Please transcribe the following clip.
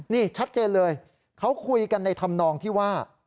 นี่ชัดเจนเลยเขาคุยกันในธรรมนองที่ว่า